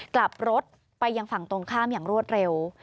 กลับรถไปยังฝั่งตรงข้ามอย่างรวดเร็ว